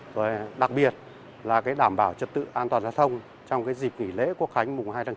rồi đặc biệt là cái đảm bảo trật tự an toàn giao thông trong cái dịp nghỉ lễ quốc khánh mùng hai tháng chín